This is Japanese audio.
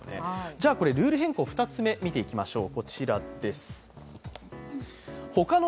じゃあこれルール変更、２つ目見ていきましょう。